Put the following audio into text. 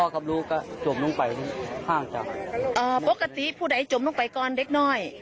พ่อกับลูกก็จมลงไปข้างจากเอ่อปกติผู้ใดจมลงไปก่อนเล็กน้อย